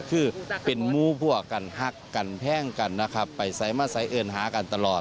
คือเป็นมู้ผัวกันน่าลดหักกันแพ่งกันไปไส้มาไขเอิญหากันตลอด